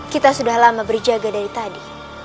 kita sudah lama berjaga dari tadi